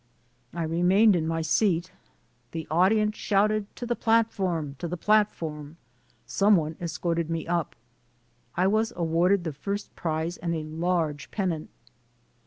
I remained in my seat. The audience shouted, "To the platform, to the platform!" Some one escorted me up. I was awarded the first prize and a large pennant.